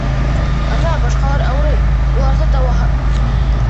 Ана, башҡалар ауырый, уларҙы дауалаһындар.